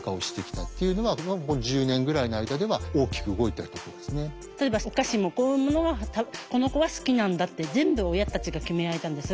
ただどうしても育成会の活動も例えばお菓子も「こういうものがこの子は好きなんだ」って全部親たちが決められたんです。